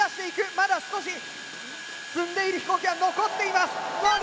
まだ少し積んでいる飛行機は残っています。